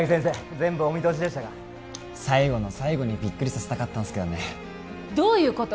全部お見通しでしたか最後の最後にビックリさせたかったんすけどねどういうこと！？